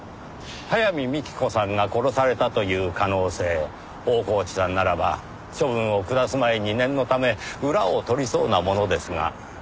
早見幹子さんが殺されたという可能性大河内さんならば処分を下す前に念のため裏を取りそうなものですが。